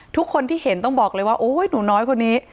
ทุกคนที่เห็นต้องบอกเลยว่าโอ้ยหนูน้อยคนนี้